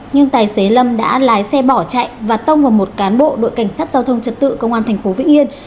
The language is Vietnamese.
nhưng tài xế lâm đã lái xe bỏ chạy và tông vào một cán bộ đội cảnh sát giao thông trật tự công an thành phố vĩnh yên